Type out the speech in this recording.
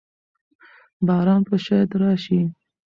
باران به شاید راشي.